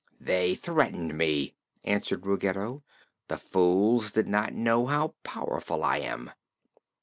"They threatened me," answered Ruggedo. "The fools did not know how powerful I am."